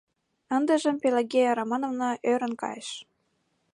Ындыжым Пелагея Романовна ӧрын кайыш.